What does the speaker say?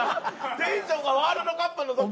テンションがワールドカップの時と。